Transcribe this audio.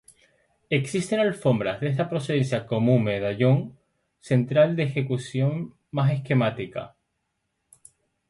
Existen alfombras de esta procedencia com un medallón central, de ejecución más esquemática.